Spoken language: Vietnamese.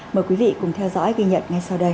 mời quý vị cùng theo dõi ghi nhận ngay sau đây